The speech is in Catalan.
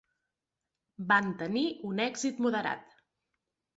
Van tenir un èxit moderat.